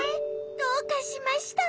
どうかしました？